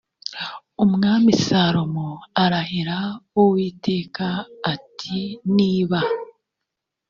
umwami salomo arahira uwiteka ati niba